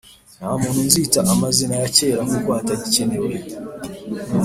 nta muntu nzita amazina yak era kuko atagi kenewe